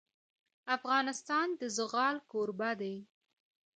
افغانستان د زغال کوربه دی.